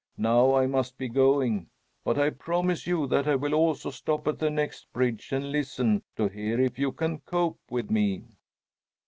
"Now I must be going; but I promise you that I will also stop at the next bridge and listen, to hear if you can cope with me."